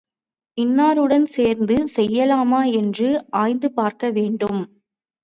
இன்னாருடன் சேர்ந்து செய்யலாமா என்றும் ஆய்ந்து பார்க்கவேண்டும்.